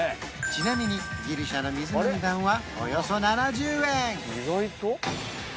ちなみにギリシャの水の値段はおよそ７０円